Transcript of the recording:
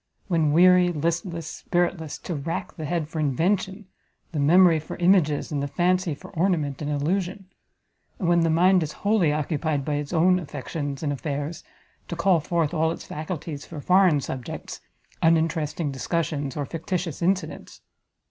when weary, listless, spiritless, to rack the head for invention, the memory for images, and the fancy for ornament and illusion; and when the mind is wholly occupied by its own affections and affairs, to call forth all its faculties for foreign subjects, uninteresting discussions, or fictitious incidents!